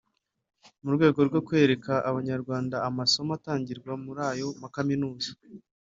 mu rwego rwo kwereka Abanyarwanda amasomo atangirwa muri ayo makaminuza